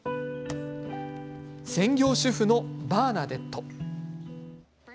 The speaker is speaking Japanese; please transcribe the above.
専業主婦のバーナデット。